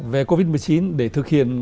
về covid một mươi chín để thực hiện